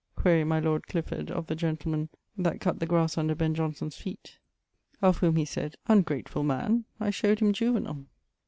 Quaere my lord Clifford of the gentleman that cutt the grasse under Ben Jonson's feet, of whom he sayd 'Ungratefull man! I showed him Juvenal.'